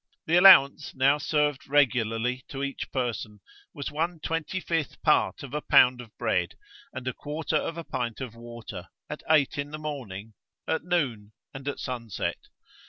The allowance now served regularly to each person was one twenty fifth part of a pound of bread and a quarter of a pint of water, at eight in the morning, at noon, and at sunset.